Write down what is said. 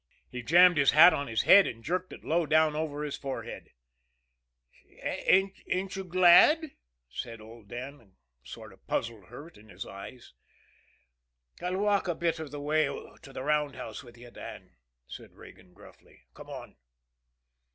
He jammed his hat on his head, and jerked it low down over his forehead. "Ain't you glad?" said old Dan, a sort of puzzled hurt in his eyes. "I'll walk over a bit of the way to the roundhouse with you, Dan," said Regan gruffly. "Come on."